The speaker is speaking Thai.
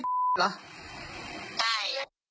ได้